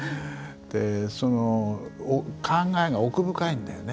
でその考えが奥深いんだよね。